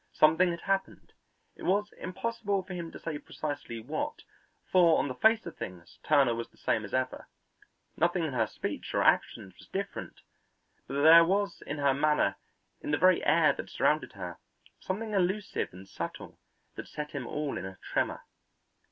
Something had happened; it was impossible for him to say precisely what, for on the face of things Turner was the same as ever. Nothing in her speech or actions was different, but there was in her manner, in the very air that surrounded her, something elusive and subtle that set him all in a tremor.